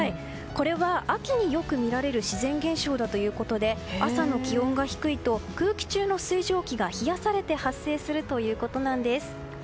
これは秋によく見られる自然現象だということで朝の気温が低いと空気中の水蒸気が冷やされて発生するということです。